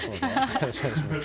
よろしくお願いします。